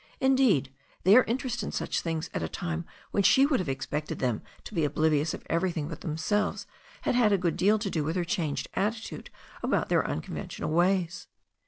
Indeed, their interest in such things at a time when she would have expected them to be oblivious of everything but themselves had had a good deal to do with her changed attitude about their unconventional way«.